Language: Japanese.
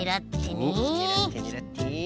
ねらってねらって。